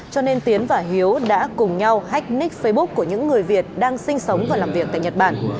cho nên tiến và hiếu đã cùng nhau hách nik facebook của những người việt đang sinh sống và làm việc tại nhật bản